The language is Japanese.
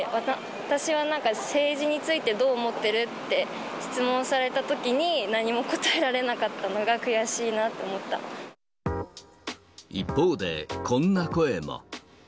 私はなんか、政治についてどう思ってる？って質問されたときに、何も答えられなかったのが悔しい一方で、こんな声も。